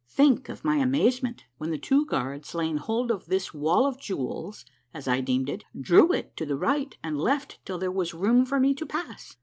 ddiink of my amazement when the two guards, laying hold of this wall of jewels, as I deemed it, drew it to the right and left till there was room for me to pass.